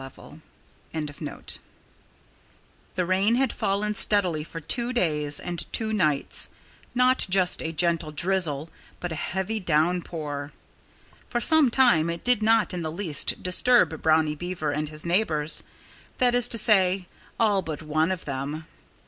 IV THE FRESHET The rain had fallen steadily for two days and two nights not just a gentle drizzle, but a heavy downpour. For some time it did not in the least disturb Brownie Beaver and his neighbors that is to say, all but one of them.